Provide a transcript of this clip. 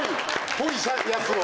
ぽいやつを。